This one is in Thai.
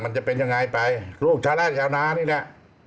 มันจะเป็นยังไงไปลูกชาวไร่ชาวนานี่แหละ